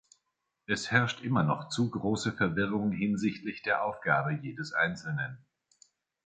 Es herrscht immer noch zu große Verwirrung hinsichtlich der Aufgabe jedes Einzelnen.